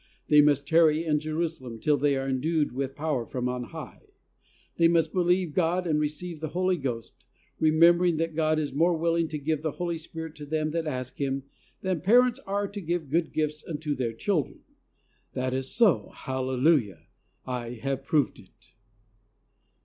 They must "tarry in Jerusalem till they are endued with power from on high." They must believe God and receive the Holy Ghost, remembering that God is "more willing to give the Holy Spirit to them that ask Him than parents are to give good gifts unto their children." That is so. Hallelujah! I have proved it.